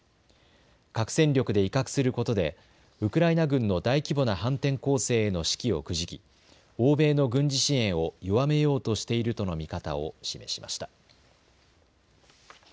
核戦力で威嚇することでウクライナ軍の大規模な反転攻勢への士気をくじき欧米の軍事支援を弱めようとしているとの見方を示しました。